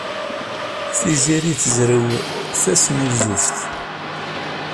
Tiziri tezrew tasnuzuft.